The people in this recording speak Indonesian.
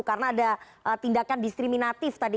karena ada tindakan diskriminatif tadi